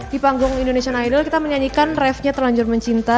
di panggung indonesian idol kita menyanyikan rave nya terlanjur mencinta